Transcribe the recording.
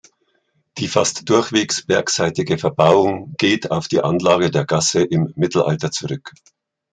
Die fast durchwegs bergseitige Verbauung geht auf die Anlage der Gasse im Mittelalter zurück.